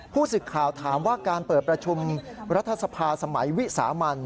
สึกข่าวถามว่าการเปิดประชุมรัฐสภาสมัยวิสามัน